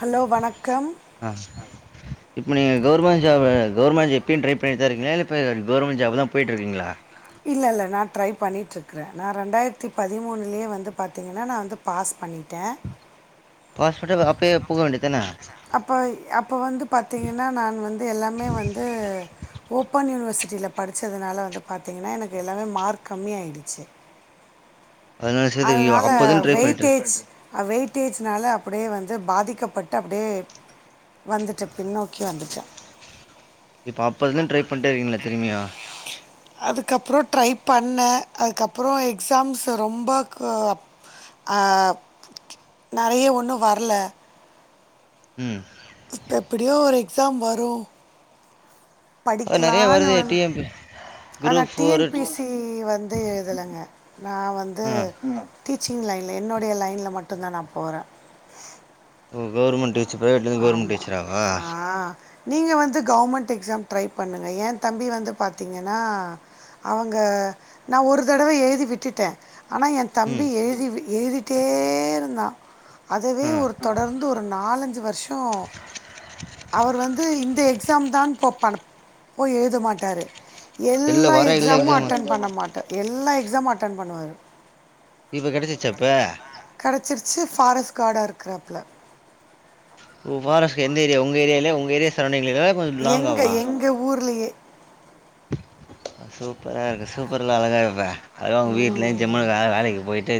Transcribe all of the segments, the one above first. hello வனக் அ இப்ப நீங்க கௌர்மண்ட் ஜாபு கௌர்மண்ட் இப்பயு ட்ரை பண்ணிட்தா இருக்கிங்ளா இப்ப கௌர்மெண்ட் ஜாப்தா போயிட்டுருக்கீங்களா இல்ல இல்ல நா ட்ரை பண்ணிட்டுருக்குறே நா ரெண்டாயிரத்தி பதிமூணுலயே வந்து பாத்திங்கன்னா நா வந்து பாஸ் பண்ணிட்டே ஹாஸ்பிட்டல் அப்பயே போக வேண்டிதான அப்ப அப்ப வந்து பாத்தீங்கன்னா நான் வந்து எல்லாமே வந்து ஓப்பன் யூனிவர்சிட்டில படிச்சதுனால வந்து ‌‌‌‌‌‌‌‌‌‌பாத்தீங்கன்னா எனக்கு எல்லாமே மார்க் கம்மி ஆயிடுச்சு பதினாலு சதவீதம் அதனால அப்போதுலருந்து ட்ரை பண்ணிட்டு வெயிட்டேஜ் வெயிட்டேஜ்னால அப்டியே வந்து அது பாதிக்கப்பட்டு அப்டியே வந்துட்டே பின்னோக்கி வந்துட்டே இப்போ அப்போருந்து ட்ரை பண்ணிட்டே இருக்கீங்ளா திரும்பியூ அதுக்கப்றோ ட்ரை பண்ணே அதுக்கப்பறோ எக்ஸாம்ஸ் ரொம்ப அ நெறைய ஒண்ணு வரல ம் இப்ப எப்டியோ ஒரு எக்ஸாம் வரு அது நெறைய படிக்கலானு வருது வந் டி எம் பி ஆனா group D four N P C வந்து எழுதலங்க நா வந்து ஆ டி ச்சிங் லைன்ல என்னுடைய லைன்ல மட்டுந்தா நா போறே ஓ கெளர்மன் டீச்சர் ப்ரைவேட்லருந்து கௌர்மண்ட் டிச்சராவா ஆ நீங்க வந்து கெளமண்ட் எக்ஸாம் ட்ரை பண்ணுங்க எ தம்பி வந்து பாத்தீங்கன்னா அவங்க நா ஒரு தடவ எழுதி விட்டுட்டே ஆனா எ ம் தம்பி எழுதி வி எழுதிட்டே இருந்தா அதவே ஆ ஒரு தொடர்ந் நாலஞ்சு வருஷோ அவர் வந்து இந்தயே எக்ஸாம்தான் போ ப போய் எழுத மாட்டாரு இல்ல எல்லா வர இல்ல எக்ஸாமு அட்டன் பண்ணு மாட்ட எல்லா எக்ஸாமு அட்டென் பண்ணுவாரு இப்ப கெடைச்சிச்சா இப்ப கெடச்சிருச்சு ஃபாரஸ்ட் கார்டா இருக்குறாப்ல ஃபாரஸ்ட் எந்த ஏரியா உங்க ஏரியாலியா உங்க ஏரியா சரௌண் எங்க எங்க ஊர்லயே சூப்பரா இருக்கு சூப்பர்லா அழகா இருப்பே அதா உங்க வீட்லயு ஜம்முனு வேற வேலைக்கி போய்ட்டு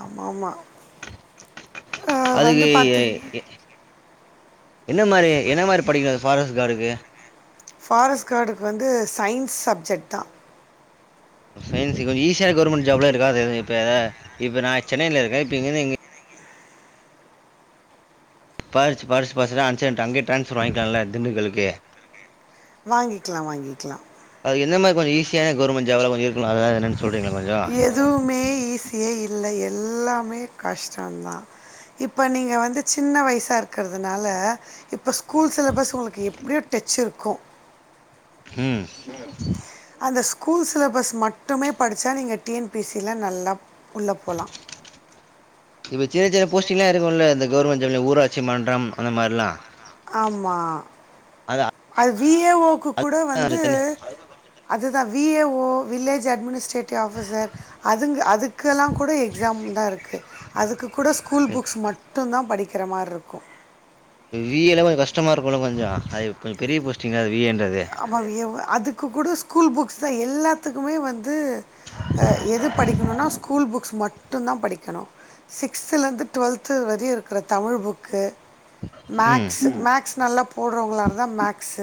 ஆமா ஆமா அதுக்கு என்ன மாரி என்ன மாரி படிக்னு ஃபாரஸ்ட் கார்டுக்கு ஃபாரஸ்ட் கார்டுக்கு வந்து சயின்ஸ் சப்ஜெக்ட் தா சயின்ஸ் கொஞ்சோ ஈஸியா கவர்மெண்ட் ஜாப்லா இருக்காது இப்ப இப்ப நா சென்னைல இருக்கே இப்ப இங்கந்துங்க எங்க படிச் படிச் பசா ஆயிட்டா அன்சென்ட் அங்கயே டிரான்ஸஃபர் வாங்கிக்கலால்ல திண்டுக்கலுக்கு வாங்கிக்கிலா வாங்கிக்கிலா கொஞ்சோ ஈசியான கவர்மென்டு ஜாப்லா கொஞ்சோ இருக்கும்ல அதாவாது என்னன்னு எதுவுமே ஈஸியே இல்ல எல்லாமே கஷ்டந்தா இப்ப நீங்க வந்து சின்ன வயசா இருக்குறதுனால இப்ப ஸ்கூல் சிலபஸ் உங்களுக்கு எப்டியோ டச் இருக்கு ம் அந்த ஸ்கூல் சிலபஸ் மட்டுமே படிச்சா நீங்க டி என் பி சில்லா நல்லா உள்ள போலா இப்ப சின்ன சின்ன போஸ்டி்ங்லா இருக்குல்ல இந்த கவர்மெண்ட் ஜப்லா ஊராட்சி மன்றம் அந்த மாரிலா ஆமா அது வி ஏ ஓக்கு அது கூட வந்து கொஞ்சம் தனி அதுதா V A O village administrative officer அதுங் அதுக்கு எல்லா கூட எக்ஸாம் தா இருக்கு அதுக்கு கூட ஸ்கூல் புக்ஸ் மட்டுந்தா படிக்கிற மாரி இருக்கு வீ ஏல்லா கொஞ்சோ கஷ்டமா இருக்குல்ல கொஞ்சோ அது கொஞ்சோ பெரிய போஸ்டிங் அது விஏன்றது அப்ப அங் எவ் அதுக்கு கூட ஸ்கூல் புக்ஸ் தா எல்லாத்துக்குமே வந் து ஆ எது படிக்கணுன்னா ஸ்கூல் புக்ஸ் மட்டு தா படிக்கணு சிக்ஸ்த்லருந்து டுவெல்த்து வரையு இருக்கிற தமிழ் புக்கு ம் மேக்ஸ் மேக்ஸ் நல்லா போடுறவங்களா இருந்தா மேக்ஸ்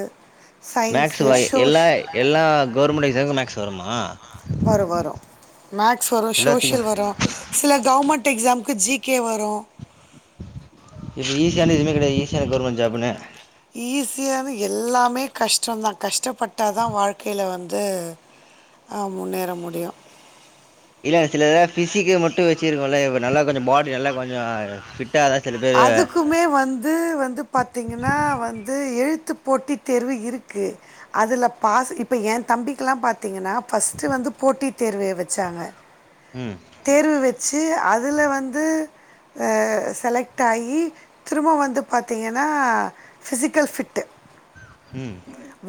மேக்ஸ் வா எல்லா எல்லா கவர்மெண்ட் எக்ஸாம்க்கு மேக்ஸ் வருமா வரு வரு மேக்ஸ் வரு எல்லாத்துக்கு சோசியல் வரு சில கவர்மெண்ட் எக்ஸாம்க்கு ஜி கே வரு இப்ப ஈஸியான எதுவுமே கெடையாது ஈஸியான கவர்மெண்ட் ஜாப்ன்னு ஈஸியான்னு எல்லாமே கஷ்டோந்தா கஷ்டப்பட்டா தா வாழ்க்கேல வந்து ஆ முன்னேற முடியு இல்ல சில இதுலா பிசிக் மட்டு வச்சிருக்கோல்ல இப்ப நல்லா கொஞ்சோ பாடி நல்லா கொஞ்சோ ஃபிட் அதுக்குமே வந்து வந்து பாத்தீங்கன்னா வந்து எழுத்து எழுத்து போட்டி தேர்வு இருக்கு அதுல பாஸ் இப்ப ஏ தம்பிகெல்லா பாத் தீங்கன்னா ஃபர்ஸ்ட் வந்து போட்டித் தேர்வு வச்சாங்க ம் தேர்வு வச் சி அதுல வந்து ஆ செலக்ட் ஆயி திரும்ப வந்து பாத்தீங்கன்னா ஃபிசிக்கல் ஃபிட்டு ம்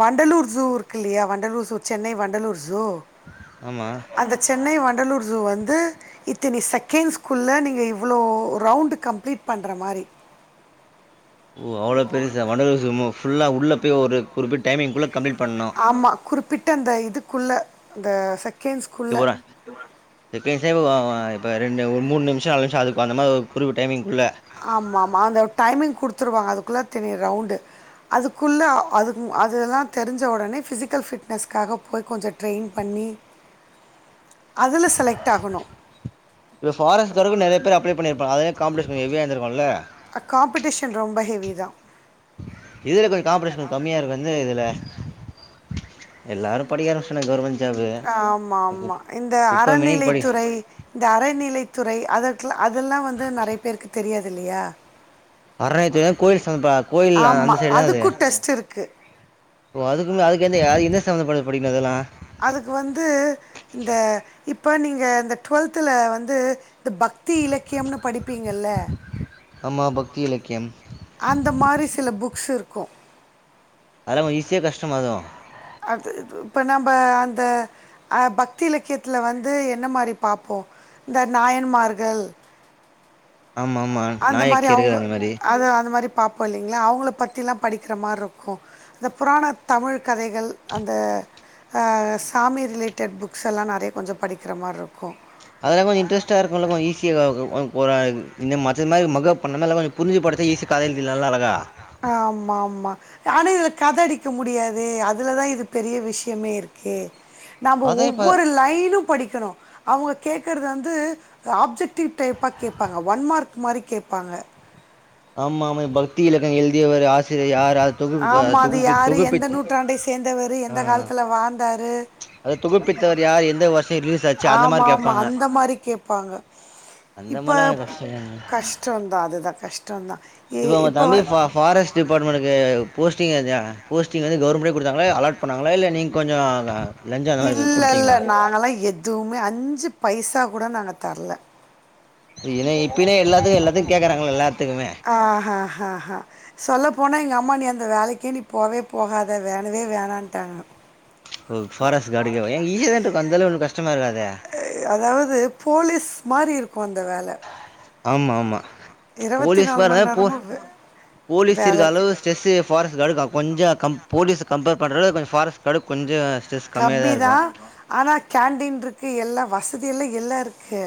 வண்டலூர் ஜூ இருக்கு இல்லையா வண்டலூர் ஜூ சென்னை வண்டலூர் ஜூ ஆமா அந்த சென்னை வண்டலூர் ஜூ வந் து இத்தனி செகண்ட்ஸ்குள்ள நீங்க இவ்ளோ ரவுண்ட் கம்ப்ளீட் பண்ற மாரி ஓ அவ்ளோ பெருசா வண்டலூர் ஜூ மு ஃபுல்லா உள்ள போய் ஒரு குறிப்பிட்ட டைமிங்குள்ள கம்ப்ளீட் பண்ணு ஆமா குறிப்பிட்ட அந்த இதுக்குள்ள அந்த செக் இ போற செகண்ட்ஸ் சேவு இப்ப ரெண்டு ஒரு மூணு நிமிஷோ நாலு நிமிஷோ அது அந்தமாரி ஒரு குறிப்பிட்ட டயமிங்குள்ள ஆமா ஆமா அந்த டயமிங் குடுத்துருவாங்க அதுக்குள்ள இத்தினி ரவுண்டு அதுக்குள்ள அது அதெல்லா தெரிஞ்ச ஒடனே பிசிக்கல் ஃபிட்னஸ்க்காக போய் கொஞ்சோ ட்ரெயின் பண் ணி இப்ப ஃபாரஸ்ட் கார்டுக்கு நெறைய பேர் அப்ளே பண்ணியிருப்பாங்க அதே காம்படீஷன் கொஞ்சோ ஹெவியா இருந்திருக்குல்ல காம்படீஷன் ரொம்ப ஹெவிதா இதுல கொஞ்சோ காம்படீஷன் கம்மியா இருக்கு எந்து இதுல எல்லாரு படிக்க ஆரம்பிச்சிட்டானுங்க கவர்மெண்ட் ஜாபு ஆமா ஆமா இந்த குப்ப மேனிக்கு படி அறநிலைத்துறை இந்த அறநிலைத் துறை அதற்கு அதெல்லா வந்து நெறைய பேருக்கு தெரியாது இல்லையா அறநிலையத்துறை கோயில் சம்பந்தப்ப கோயில் ஆமா அந்த சைடு தான் அது அதுக்கு டெஸ்ட் இருக்கு ஓ அதுக்கும அதுக்கு எந்த ய எந்த சம்பந்தப் பட்ட படிக்கணு அதெல்லா இப்போ நீங்க இந்த டு்வெல்த்துல வந்து இந்த பக்தி இலக்கியம்னு படிப்பீங்கல்ல த்தியிலக்கியம் அந்த மாரி சில புக்ஸ் இருக்கு அதெலா ஈஸியா கஷ்டமா எது அது இது இப்ப நம்ம அந்த அ பக்தி இலக்கியத்துல வந்து என்ன மாரி பாப்போ இந்த நாயன்மார்கள் ஆமாம் ஆமாம் அந்த மாரி அவங்க நாயக்கியர்கள் அந்த மாதிரி அது அந்த மாரி பாப்போ இல்லைங்களா அவங்கள பற்றிலா படிக்கிற மாரி இருக்கு அந்த புராண தமிழ் கதைகள் அந்த அ சாமி ரிலேட்டட் புக்ஸ் எல்லா நெறைய கொஞ்ச படிக்கிற மாரி இருக்கு அதெலா கொஞ்ச இன்டரஸ்டா இருக்கும்ள கொஞ்ச ஈஸியா போறாது ஒரு இந்த மற்ற மாரி மக பண்ணனதேலாம கொஞ்ச புரிஞ்சு படிச்சா ஈஸியா கதை எழுதலாம்ல இத எலாம் அழகா ஆமா ஆமா ஆனா இதுல கத அடிக்க முடியாதே அதுலதா இது பெரிய விஷயமே இருக்கே நம்ப அதான் இப்போ ஒவ்வொரு லைனு படிக்கணு அவங்க கேட்கறது வந்து வந்து ஆப்ஜெக்டிவ் டைப்பா கேப்பாங்க ஒன் மார்க் மாரி கேப்பாங்க ஆமா ஆமா பக்தி இலக்கம் எழுதியவர் ஆசிரியர் யார் அது தொகுப்பு ஆமா அது தொகுப்பி யாரு எந்த தொகுப்பித்து நூற்றாண்டை சேர்ந்தவரு ஆ எந்த காலத்துல வாழ்ந்தாரு அது தொகுப்பித்தவர் யார் எந்த வருஷம் ரிலீஸ் ஆச்சு அந்த ஆமா மாதிரி ஆமா கேட்பாங்க அந்த மாரி கேப்பாங்க அந்த இப்ப மாதிரிலாம் கொஞ்சம் கஷ்டம் கஷ்டந்தா அதுதா கஷ் இப்ப உங்க தம்பி ஃபா ஃபாரஸ்ட் டிபார்ட்மெண்டுக்கு போஸ்டிங் எத போஸ்டிங் வந்து கவர்மெண்டே கொடுத்தா அலாட் பண்ணாங்களா இல்ல நீங்க கொஞ்சோ லஞ்சோ அந்த மாரி இல்ல இல்ல குடுத்தீங்களா நாங்கல்லா எதுமே அஞ்சு பைசா கூட நாங்க தரல என இப்பனே எல்லாத்துக்கு எல்லாத்துக்கு கேக்குறாங்களே எல்லாத்துக்குமே ஆ ஹா சொல்ல போனா எங்க அம்மா நீ அந்த வேலைக்கே நீ போகவே போகாத வேணவே வேணான்ட்டாங்க ஓ ஃபாரஸ்ட் கார்டுக்கேவா ஈசிய தான இருக்கு அந்தலவுக்கு ஒன்னு கஷ்டமா இருகாது அதாவது போலீஸ் மாரி இருக்கு அந்த வேல ஆமா ஆமா இருவத்தி போலீஸ் நாலு பார் மண் போ நேரமு வே போலீஸ் இருக்கற வேல அளவு ஸ்ரெஸ் ஃபாரஸ்ட் கார்டுகா கொஞ்ச கம் போலீச கம்பர் பண்ணறத கொஞ்சம்ஃபாரஸ்ட் கார்டு கொஞ்ச கம்மிதா ஆனா கேன்டீன் இருக்கு எல்லா வசதி எல்லா எல்லா இருக்கு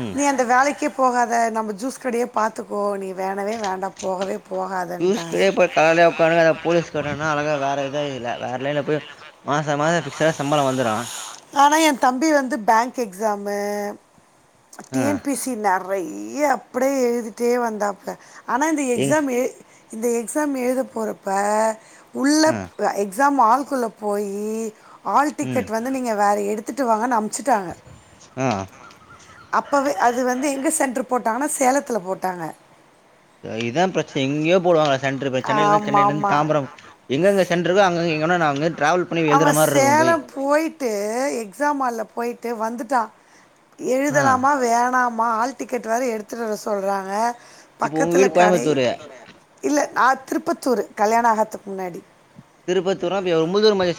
ம் நீ அந்த வேலைக்கே போகாத நம்ம ஜூஸ் கடையே பாத்துக்கோ நீ வேணவே வேண்டா போகவே போகாதன்ட்டான் கூஸ்ட்டு போயி கடைல உக்கார்ரே போலீஸ்காரண்னா அழகா வேரவே இல்ல வேறலைன்ல மாச மாசோ பிக்ஸா சம்பளோ வந்துரு ஆனா எ தம்பி வந்து பேங்க் எக்ஸாமு ஆ டிஎன்பிஸ்சி நெறைய அப்படியே எழுதிட்டே வந்தாப்ல ஆனா இந்த ஏ எக்ஸாம் எ இந்த எக்ஸாம் எழுத போறப்ப ஆ உள்ளப் எக் எக்ஸாம் ஆல்குள்ள போயி ஆல் ம் டிக்கெட் வந்து நீங்க வேற எடுத்துட்டு வாங்கன் அம் ஆ அப்போவே அது வந்து எங்க சென்டரு போட்டாங்கன்னா சேலத்துல போட்டாங்க இதுதா பிரச்சனை எங்கேயோ போடுவாங்க சென்ட்ரு பிரச்சனை இல்லனா ஆமாம் சென்னையில இருந்து ஆமாம் தாம்பரம் எங்கெங்க சென்டரு இருக்கோ அங்க என்னனாங் அவ சேலம் போயிட்டு எக்ஸா ஹால்ல போயிட்டு வந்துட்டா ஆ எழுதலாமா வேணாமா ஆல் டிக்கெட் வேர எடுத்துட்டுவர சொல்றாங்க இப்போ உங்க பக்கத்துல வீடு கடை கோயம்புத்தூரு இல்ல நா திருப்பத்தூரு கல்யாண ஆகத்துக்கு முன்னாடி திருப்பத்தூரா அது ரொம்ப தூராமச்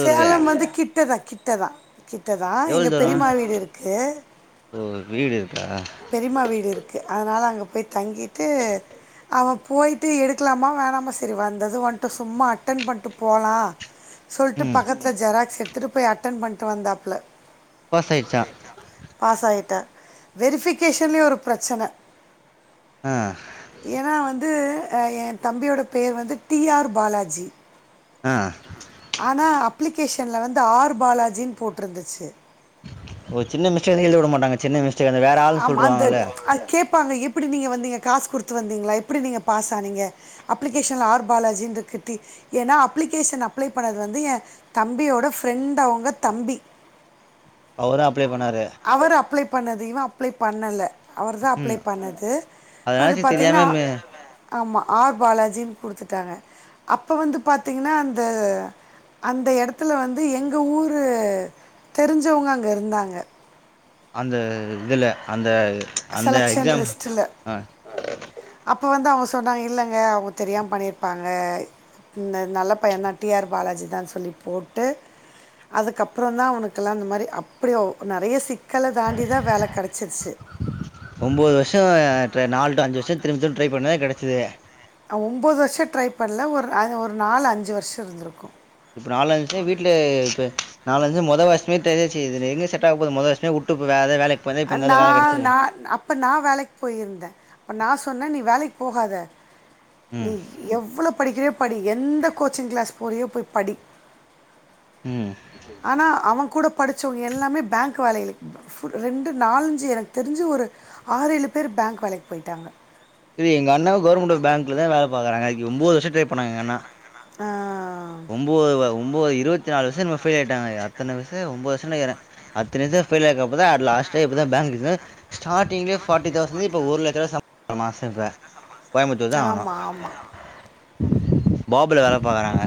சேலம் வந்து கிட்டதா கிட்டதா கிட்டதா எவ்ளோ எங்க தூரோ பெரியம்மா வீடு இருக்கு ஓ வீடு இருக்கா பெரீமா வீடு இருக்கு அதனால அங்க போய் தங்கிட்டு அவ போயி்ட்டு எடுக்கலாமா வேணாமா சரி வந்தது வந்டோ சும்மா அட்டென் பண்ட்டு போலா சொல்ட்டு ம் பக்கத்துல ஜெராக்ஸ் எடுத்துட்டு போய் அட்டன் பண்ட்டு வந்தாப்ல பாஸ் ஆயிடுச்சா பாஸ் ஆயிட்டா வெரிபிகேஷன்லயே ஒரு ப்ரச்சன ஆ ஏன்னா வந் து இது அ என் தம்பியோட பேரு வந்து டி ஆர் பாலாஜி ஆ ஆனா அப்ளிகேஷன்ல வந்து ஆர் பாலாஜினு போட்ருந்துச்சு ஒரு சின்ன மிஸ்டேக்னு எழுதவிட மாட்டாங்க சின்ன மிஸ் ஆமா அந்த அது கேப்பாங்க எப்டி நீங்க வந் நீங்க காசு குடுத்து வந்தீங்களா எப்டி நீங்க பாஸ் ஆனீங்க அப்ளிகேஷன்ல ஆர் பாலாஜி இருக்கு டி ஏன்னா அப்ளிகேஷன் அப்ளை பண்ணது வந்து ஏ தம்பியோட ஃப்ரெண்டவுங்க தம்பி அவரு அப்ளை பண்ணாரு அவரு அப்ளை பண்ணது இவ அப்ளை பண்ணல அவர் தா அப்ளை ம் பண்ணது அதனால வந்து சரி பாத்தீங்கன்னா தெரியாம மி ஆமா ஆர் பாலாஜினு குடுத்துட்டாங்க அப்ப வந்து பாத்தீங்கன்னா அந்த அந்த எடத்துல வந்து எங்க ஊரு தெரிஞ்சவுங்க அங்க இருந்தாங்க அந்த இதுல அந்த அந்த செலெக்ஷன் எக்ஸாம் அ இப்போ வந்து அவுங்க சொன்னாங்க இல்லைங்க அவுங்க தெரியாம பண்ணியிருப்பாங்க இந்த நல்ல பையந்தா டி ஆர் பாலாஜிதான் சொல்லி போட்டு அதுக்கப்றோ தா அவனுக்கெல்லா அந்த மாரி அப்டியே நறைய சிக்கல தாண்டிதா வேல கெடைச்சிருச்சு ஒம்போது வர்ஷோ டிர நாலு டு அஞ்சு வர்ஷோ திரும்ப திரும்ப ட்ரை பண்ணே கெடச்சிதே அவ ஒம்போது வர்ஷோ ட்ரை பண்ல ஒரு அ ஒரு நாலு அஞ்சு வர்ஷோ இருந்திருக்கோ இப்ப நாலஞ்சு வீட்ல இப்ப நாலஞ்சு மொத வர்சமே தெரிஞ்சுருச்சு இது எங்க செட் ஆக போது முத வர்ஷமே ஊட் துப்பு வேற வேலைக் நா நா அப்ப நா வேலைக்கு போயிருந்தே அப்ப நா சொ சொன்னே நீ வேலைக்கு போகாத நீ ம் எவ்ளோ படிக்கிறியோ படி எந்த கோச்சிங் கிளாஸ் போரியோ போய் படி உம் ஆனா அவங் கூட படிச்சவுங்க எல்லாமே பேங்க் வேலைகுளுக்கு ரெண்டு நாலஞ்சு எனக் தெரிஞ்சு ஒ ரு ஆறு ஏழு பேர் பேங்க் வேலைக்கு போயிட்டாங்க திரி எங்கண்ணா கவர்மெண்ட்டு பேங்க்ல தா வேல பாக்குறாங்க ஒம்போது வர்ஷோ ட்ரை பண்ணாங்க எங்கண்ணா ஆஹ ஒம்போது வா ஒம் ம்போது இருபத்திநாளு வர்சோ என்னமோ ஃபெயில் ஆயிட்டாங்க அத்தனாவர்சோ ஒம்போதுவர்சோனு நெனைக்கிறே அத்தன வர்சோ ஃபெயில் ஆயிருக்குறப்பதா அது லா ஃபஸ்ட்டே இப்பதா பேங்க் இதுல ஸ்டாரிங்லயே ஃபாட்டி தௌசண்ட இப்ப ஒரு லட்சோ சம்பளமா மாசோத்துல ஆமா ஆமா பாபுல வேல பாக்குறாங்க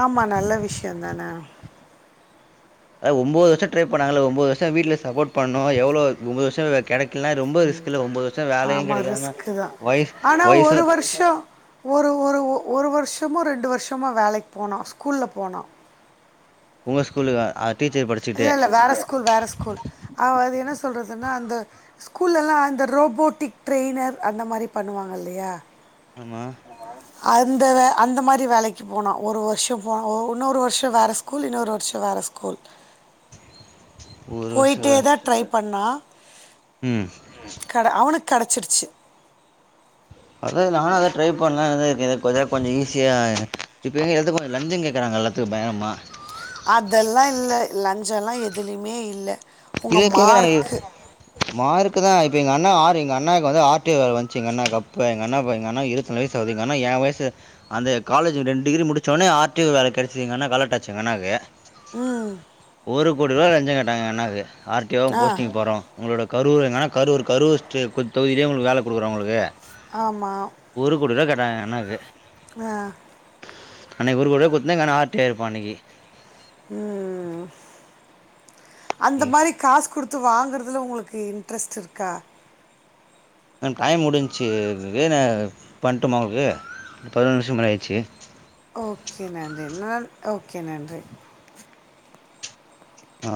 ஆமா நல்ல விஷ்யோ தானே அ ஒம்போது வர்ஷோ ட்ரை பண்ணாங்கல ஒம்போது வர்ஷோ வீட்ல சப்போர்ட் பண்ணுனோ எவ்லோ ஒம்போது வர்ஷோ கெடைக்கலன்னா ரொம்போ ரிஸ்க் சிலர் ஒம்போது வர் ஆமா ரிஸ்குதா ஆனா வயசா ஒரு வர்ஷோ ஒரு ஒரு ஒரு வர்ஷமோ ரெண்டு வர்ஷமோ வேலைக்கு போனா ஸ்கூல்ல போனா உங்க ஸ்கூலுக்கு ஆ இல்ல இல்ல வேற ஸ்கூல் வேற ஸ்கூல் அவ அது என்ன சொல்றதுன்னா அந்த ஸ்கூல்லெல்லா அந்த ரோபோட்டிக் ட்ரெய்னர் அந்த மாரி பண்ணுவாங்கல்லையா ஆமா அந்த வே அந்த மாரி வேலைக்கு போனா ஒரு வர்ஷோ போனா இன்னொரு வர்ஷோ வேற ஸ்கூல் இன்னோர் வர்ஷோ வேற ஸ்கூல் ஒரு வருஷோ போயிட்டே தா ட்ரை பண்ணா ம் கட அவனுக் கடச்சிடுச்சு அதா நானு அத ட்ரை பண்ணே கொஞ்சோ ஈ சி ஈசியா இப்ப எங்க எல்லாத்துக்கு லஞ்ஜோ கேக்குறாங்க எல்லாத்துக்கோ பயங்கரமா அதெல்லா இல்ல லஞ்சோல்லா எதுலையுமே இல்ல இல்ல கேக்கற மார்க்குதா இப்ப எங்க அண்ண ஆர் ஐ எங்க அண்ணாக்கு வந்து ஆர் டி ஓ வேல வந்ச்சுங்க என்ன கப்பு எங்கண்ண இப்ப எங்கண்ணாக்கு இருவத்து நாலு வயசு ஆவுது எங்கண்ணா ஏ வயசு அந்த காலேஜு ரெண்ட் டிகிரி முடிச்சவொன்னே ஆர் டி ஓ வேல கெடைச்சது எங்க அண்ணக் அலட்டாச்சு எங்க அண்ணாக்கு ம் ஒரு கோடி ரூவா லஞ்ச கேட்டாங்க எங்க அண்ணாக்கு ஆர் டி ஓன் ஆ போஸ்டிங் போறோ உங்களோட கரூர் எங்கன்னா கரூர் கரூர் ஸ்டே கு தொகுதியிலே உங்களுக்கு வேல குடுக்குறே உங்களுக்கு ஆமா ன்னாங்க எங்க அண்ணாக்கு ஆ அன்னைக்கு ஒரு கோடி ரூவா குடுத்துருந்தா எங்க அண்ண ஆர் டி ஓ ஆயிருப்பா அன்னைக்கி ம் அந்த மாரி காஸ் குடுத் து வாங்குறதுல உங்களுக்கு இன்ட்ரெஸ்ட் இருக்கா மேம் டைம் முடிஞ்ச்சுகுன பண்ட்டுமா உங்கக்கு பதினோரு நிமிஷமாயிருச்சு ஓகே நன்றி நன் ஓகே நன்றி ஆ